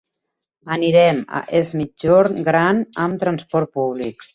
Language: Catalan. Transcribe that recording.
Anirem a Es Migjorn Gran amb transport públic.